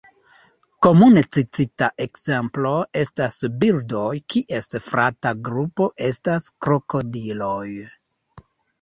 Komune citita ekzemplo estas birdoj, kies frata grupo estas krokodiloj.